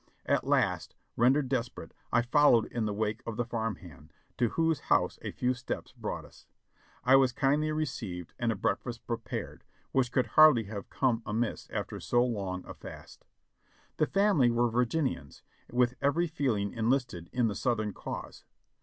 At last, rendered desperate, I followed in the wake of the farm h and, to whose house a few steps brought us. I was kindly re ceived and a breakfast prepared, which could hardly have come amiss after so long a fast. The family were Virginians, with every feeling enlisted in the Southern cause.